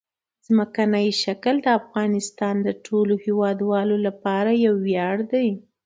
ځمکنی شکل د افغانستان د ټولو هیوادوالو لپاره یو ویاړ دی.